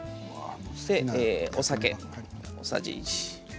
そしてお酒大さじ１。